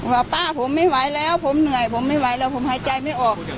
ว่าป้าผมไม่ไหวแล้วผมเหนื่อยผมไม่ไหวแล้วผมหายใจไม่ออก